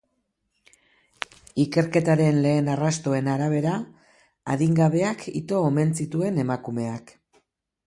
Ikerketaren lehen arrastoen arabera, adingabeak ito omen zituen emakumeak.